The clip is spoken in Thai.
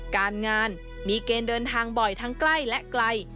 การงานมีเกณฑ์เดินทางบ่อยทั้งใกล้และไกล